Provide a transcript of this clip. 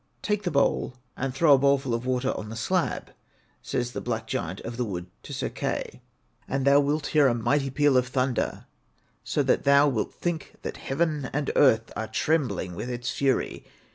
Take the bowl and throw a bowlful of water on the slab,' says the black giant of the wood to Sir Kai, 'and thou wilt hear a mighty peal of thunder, so that thou wilt think that heaven and earth are trembling with its fury.